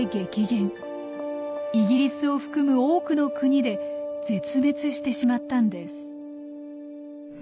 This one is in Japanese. イギリスを含む多くの国で絶滅してしまったんです。